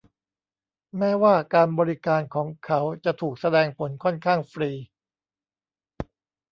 แม้ว่าการบริการของเขาจะถูกแสดงผลค่อนข้างฟรี